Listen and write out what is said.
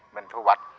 mình thu vật